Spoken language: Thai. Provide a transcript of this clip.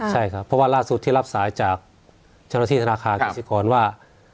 ใช่ครับเพราะว่าล่าสุดที่รับสายจากเจ้าหน้าที่ธนาคารกสิกรว่า